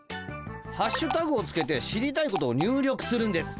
ハッシュタグをつけて知りたいことを入力するんです。